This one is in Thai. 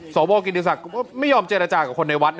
สวกิติศักดิ์ก็ไม่ยอมเจรจากับคนในวัดนะ